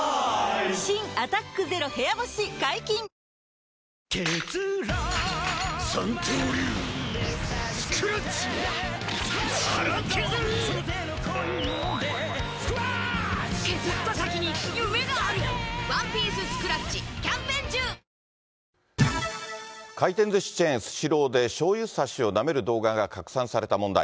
新「アタックＺＥＲＯ部屋干し」解禁‼回転ずしチェーン、スシローで、しょうゆ差しをなめる動画が拡散された問題。